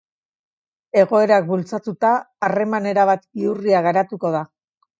Egoerak bultzatuta, harreman erabat bihurria garatuko da.